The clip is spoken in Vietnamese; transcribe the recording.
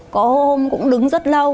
có hôm cũng đứng rất lâu